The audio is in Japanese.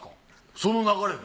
その流れで？